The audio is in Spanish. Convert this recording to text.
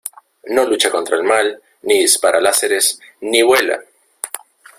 ¡ No lucha contra el mal, ni dispara láseres , ni vuela!